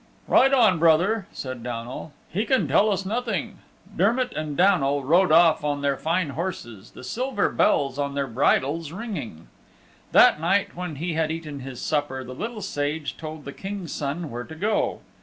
"Ride on, brother," said Downal, "he can tell us nothing." Dermott and Downal rode off on their fine horses, the silver bells on their bridles ringing. That night, when he had eaten his supper, the Little Sage told the King's Son where to go.